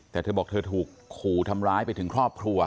แต่เธอบอกเธอถูกขู่ทำร้ายไปถึงครอบครัว